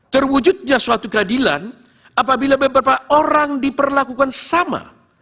terwujudnya suatu keadilan apabila beberapa orang diperlakukan sama